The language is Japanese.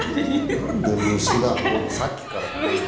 何で虫がさっきから来るんだ。